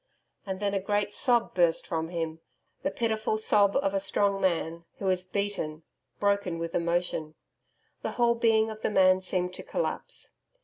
And then a great sob burst from him the pitiful sob of a strong man who is beaten, broken with emotion. The whole being of the man seemed to collapse.